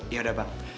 ya udah bang